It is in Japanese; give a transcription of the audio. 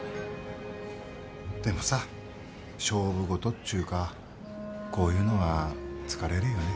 でもさ勝負事っちゅうかこういうのは疲れるよね。